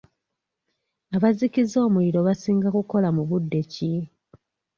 Abazikiza omuliro basinga kukola mu budde ki?